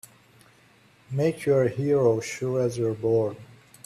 Make you're a hero sure as you're born!